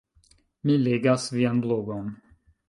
Mi legas vian blogon